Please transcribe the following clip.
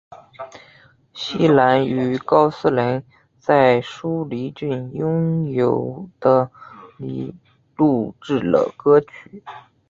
希兰于高斯林在舒梨郡拥有的里录制了歌曲。